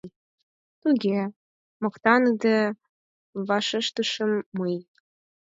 — Туге, — моктаныде вашештышым мый.